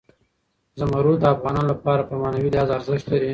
زمرد د افغانانو لپاره په معنوي لحاظ ارزښت لري.